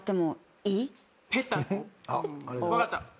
分かった。